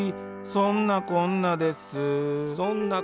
「そんなこんなです」